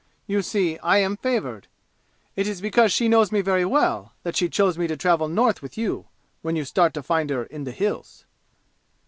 You see, I am favored. It is because she knows me very well that she chose me to travel North with you, when you start to find her in the 'Hills'!"